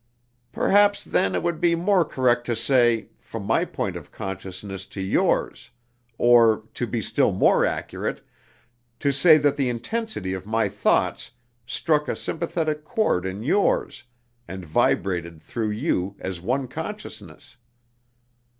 "Perhaps then it would be more correct to say, from my point of consciousness to yours; or, to be still more accurate, to say that the intensity of my thoughts struck a sympathetic chord in yours, and vibrated through you as one consciousness.